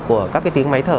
của các cái tiếng máy thở